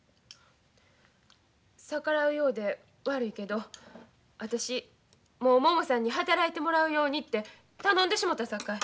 逆らうようで悪いけど私もうももさんに働いてもらうようにって頼んでしもたさかい。